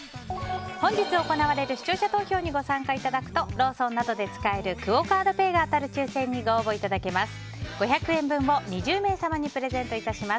本日行われる視聴者投票にご参加いただくとローソンなどで使えるクオ・カードペイが当たる抽選にご応募いただけます。